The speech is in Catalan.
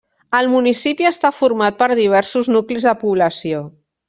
El municipi està format per diversos nuclis de població.